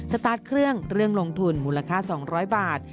สตาร์ทเครื่องเรื่องลงทุนมูลค่า๒๐๐บาท